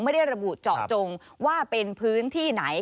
ไม่ได้ระบุเจาะจงว่าเป็นพื้นที่ไหน